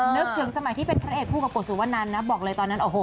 นึกถึงสมัยที่เป็นพระเอกคู่กับกฎสุวนันนะบอกเลยตอนนั้นโอ้โห